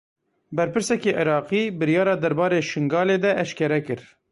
Berpirsekî Iraqî biryara derbarê Şingalê de eşkere kir.